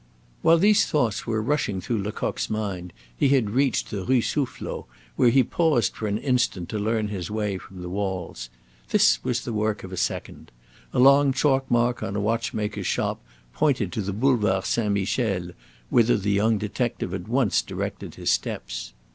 While these thoughts were rushing through Lecoq's mind, he had reached the Rue Soufflot, where he paused for an instant to learn his way from the walls. This was the work of a second. A long chalk mark on a watchmaker's shop pointed to the Boulevard Saint Michel, whither the young detective at once directed his steps.